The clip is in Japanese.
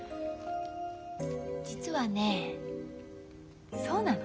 実はねそうなの。